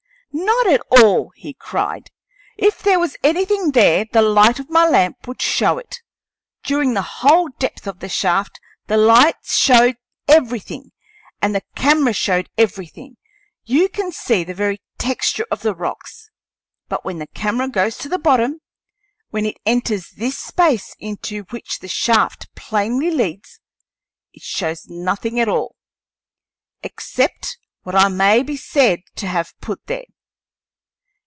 "Not at all!" he cried. "If there was anything there, the light of my lamp would show it. During the whole depth of the shaft the light showed everything and the camera showed everything; you can see the very texture of the rocks; but when the camera goes to the bottom, when it enters this space into which the shaft plainly leads, it shows nothing at all, except what I may be said to have put there.